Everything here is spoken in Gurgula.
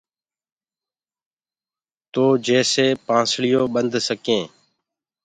تو جيڪسي پانسݪيونٚ ٻنَد سڪين۔